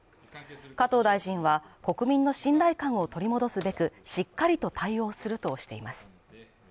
加藤大臣は、国民の信頼感を取り戻すべく、しっかりと対応するとしています。